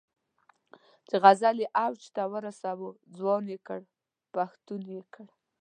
چې غزل یې عروج ته ورساوه، ځوان یې کړ، پښتون یې کړ.